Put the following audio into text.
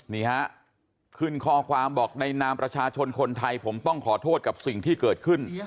นี่ฮะขึ้นข้อความบอกในนามประชาชนคนไทยผมต้องขอโทษกับสิ่งที่เกิดขึ้น